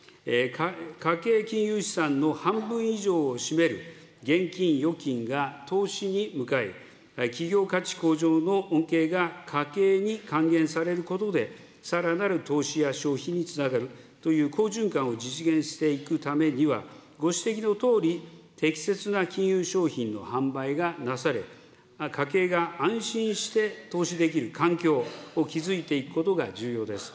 家計金融資産の半分以上を占める現金預金が投資に向かい、企業価値向上の恩恵が家計に還元されることで、さらなる投資や消費につなげるという好循環を実現していくためには、ご指摘のとおり、適切な金融商品の販売がなされ、家計が安心して投資できる環境を築いていくことが重要です。